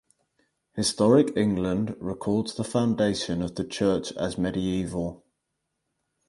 Historic England records the foundation of the church as medieval.